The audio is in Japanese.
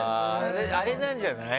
あれなんじゃない？